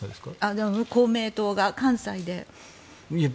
公明党が、関西で。